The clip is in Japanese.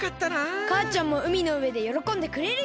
かあちゃんもうみのうえでよろこんでくれるよ！